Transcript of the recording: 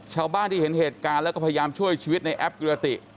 ชาวบ้านที่เห็นเหตุการณ์แล้วก็พยายามช่วยชีวิตในแอปกิรติ